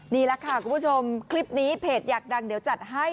นี่แหละค่ะคุณผู้ชมคลิปนี้เพจอยากดังเดี๋ยวจัดให้